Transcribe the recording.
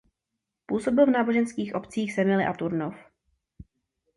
Působil v náboženských obcích Semily a Turnov.